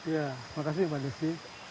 ya makasih pak desi